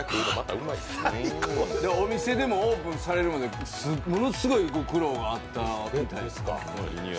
お店でもオープンされるまでものすごくご苦労があったみたいで。